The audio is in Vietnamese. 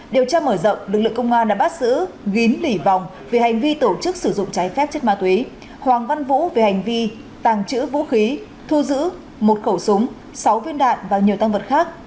điều tra mở rộng lực lượng công an đã bắt giữ gín lỉ vòng vì hành vi tổ chức sử dụng trái phép chất ma túy hoàng văn vũ về hành vi tàng trữ vũ khí thu giữ một khẩu súng sáu viên đạn và nhiều tăng vật khác